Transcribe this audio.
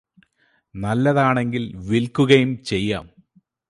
നല്ലതാണെങ്കിൽ വിൽക്കുകയും ചെയ്യാം